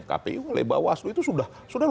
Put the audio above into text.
kpu oleh bawaslu itu sudah